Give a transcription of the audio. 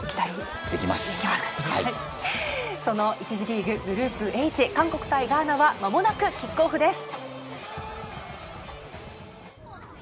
その１次リーググループＨ、韓国対ガーナはまもなくキックオフです。